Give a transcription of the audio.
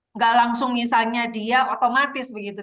nggak langsung misalnya dia otomatis begitu